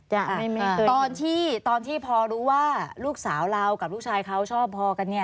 ยังไม่มีตอนที่ตอนที่พอรู้ว่าลูกสาวเรากับลูกชายเขาชอบพอกันเนี่ย